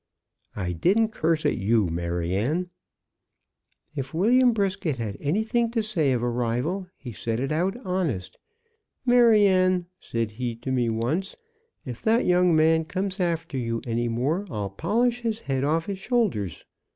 "I didn't curse at you, Maryanne." "If William Brisket had anything to say of a rival, he said it out honest. 'Maryanne,' said he to me once, 'if that young man comes after you any more, I'll polish his head off his shoulders.'